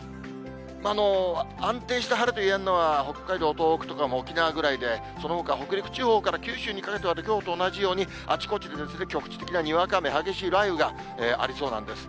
安定した晴れといえるのは、北海道、東北とか沖縄ぐらいで、そのほか北陸地方から九州にかけてはきょうと同じように、あちこちで局地的なにわか雨、激しい雷雨がありそうなんです。